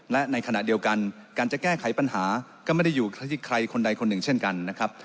และในขณะเดียวกันการจะแก้ไขปัญหาก็ไม่ได้อยู่ที่ใครคนใดคนหนึ่งเช่นกันนะครับ